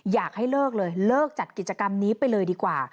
อยากให้เลิกเลยเลิกจัดกิจกรรมนี้ไปเลยดีกว่า